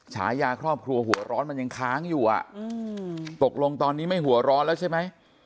ฉายาครอบครัวหัวร้อนมันยังค้างอยู่ตกลงตอนนี้ไม่หัวร้อนแล้วใช่ไหม